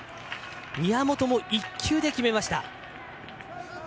宮本、１球で決めました。